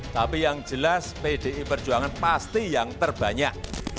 tapi yang jelas pdi perjuangan pasti yang terbanyak